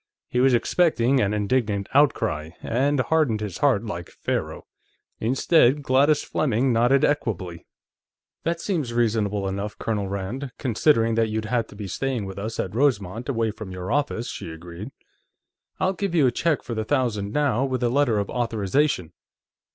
He was expecting an indignant outcry, and hardened his heart, like Pharaoh. Instead, Gladys Fleming nodded equably. "That seems reasonable enough, Colonel Rand, considering that you'd have to be staying with us at Rosemont, away from your office," she agreed. "I'll give you a check for the thousand now, with a letter of authorization."